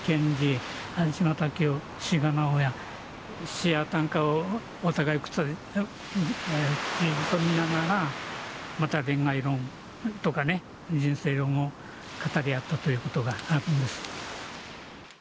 詩や短歌をお互い口ずさみながらまた恋愛論とかね人生論を語り合ったということがあります。